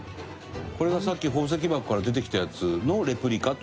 これがさっき宝石箱から出てきたやつのレプリカって事ですね。